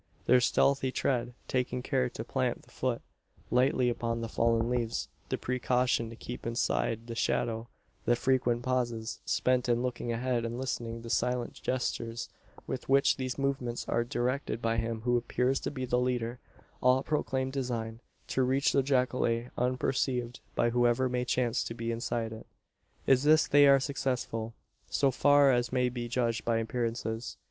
Their stealthy tread taking care to plant the foot lightly upon the fallen leaves the precaution to keep inside the shadow the frequent pauses, spent in looking ahead and listening the silent gestures with which these movements are directed by him who appears to be the leader all proclaim design, to reach the jacale unperceived by whoever may chance to be inside it. In this they are successful so far as may be judged by appearances.